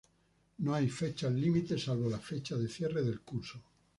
No hay fechas límite, salvo la fecha de cierre del curso.